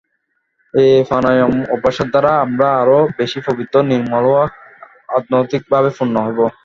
এই প্রাণায়াম-অভ্যাসের দ্বারা আমরা আরও বেশী পবিত্র, নির্মল ও আধ্যাত্মিকভাবে পূর্ণ হবো।